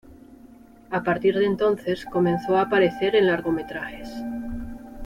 A partir de entonces comenzó a aparecer en largometrajes.